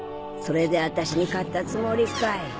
それで私に勝ったつもりかい。